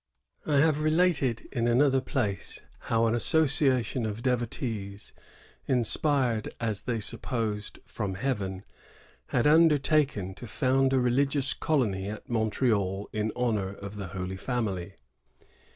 I have related in another place ^ how an association of devotees, inspired, as they supposed, from heaven, had undertaken to found a religious colony at Montreal in honor of the Holy Family.